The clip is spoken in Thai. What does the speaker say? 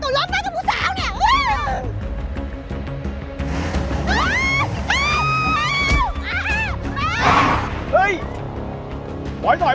ต้องลงเฟ้องกูอย่างไงเนี่ยลงมาเลย